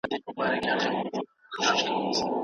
سندرې تاریخي ریښې لري.